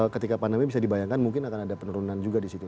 ketika pandemi bisa dibayangkan mungkin akan ada penurunan juga di situ